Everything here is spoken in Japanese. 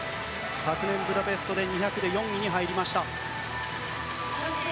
昨年ブダペストの２００で４位に入りました。